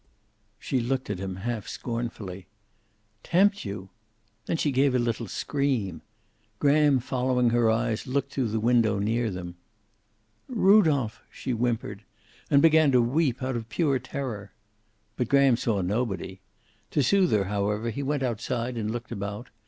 She looked at him half scornfully. "Tempt you!" Then she gave a little scream. Graham following her eyes looked through the window near them. "Rudolph!" she whimpered. And began to weep out of pure terror. But Graham saw nobody. To soothe her, however, he went outside and looked about.